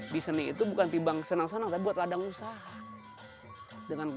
di seni itu bukan tibang senang senang tapi buat ladang usaha